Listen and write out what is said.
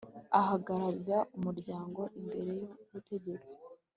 ahagararira umuryango imbere y ubutegesti